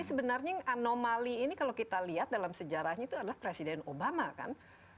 sebenarnya yang anomali ini kalau kita lihat dalam sejarahnya itu adalah presiden obama kan